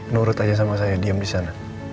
nurut aja sama saya diem disana